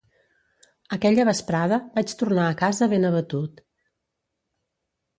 Aquella vesprada vaig tornar a casa ben abatut.